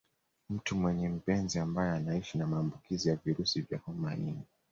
Mtu mwenye mpenzi ambaye anaishi na maambukizi ya virusi vya homa ya ini